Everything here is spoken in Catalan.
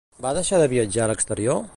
Va deixar de viatjar a l'exterior?